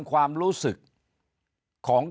ความรู้สึกของ